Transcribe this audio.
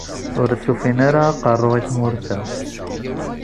Ur as-ufin ara aqerru i tmurt-a.